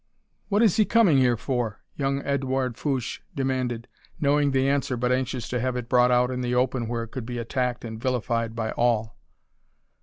"What is he coming here for?" young Edouard Fouche demanded, knowing the answer but anxious to have it brought out in the open where it could be attacked and vilified by all.